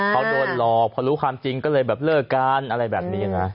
เขาโดนหลอกพอรู้ความจริงก็เลยแบบเลิกกันอะไรแบบนี้นะ